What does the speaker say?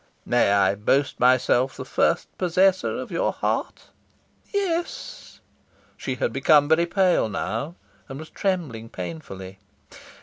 "May I boast myself the first possessor of your heart?" "Yes." She had become very pale now, and was trembling painfully.